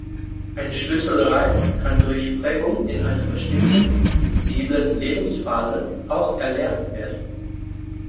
Ein Schlüsselreiz kann durch Prägung in einer bestimmten, sensiblen Lebensphase auch erlernt werden.